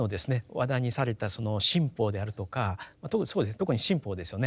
話題にされたその新法であるとか特に新法ですよね